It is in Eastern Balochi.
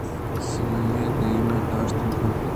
کس آئی ءِ دیم ءَ داشت نہ کنت